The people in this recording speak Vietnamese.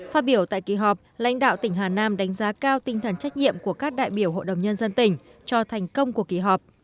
phát biểu tại kỳ họp lãnh đạo tỉnh hà nam đánh giá cao tinh thần trách nhiệm của các đại biểu hội đồng nhân dân tỉnh cho thành công của kỳ họp